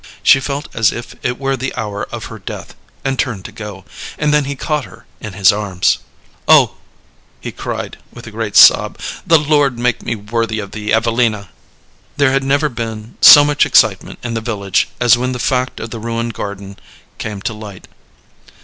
She felt as if it were the hour of her death, and turned to go. And then he caught her in his arms. "Oh," he cried, with a great sob, "the Lord make me worthy of thee, Evelina!" There had never been so much excitement in the village as when the fact of the ruined garden came to light.